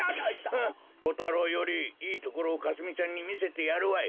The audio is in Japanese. フッコタロウよりいいところをかすみちゃんにみせてやるわい。